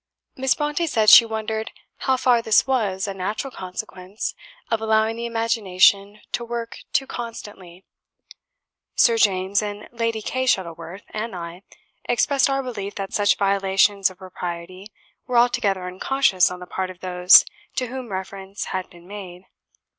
Miss Brontë said she wondered how far this was a natural consequence of allowing the imagination to work too constantly; Sir James and Lady Kay Shuttleworth and I expressed our belief that such violations of propriety were altogether unconscious on the part of those to whom reference had been made.